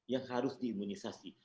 yang harus diimunisasi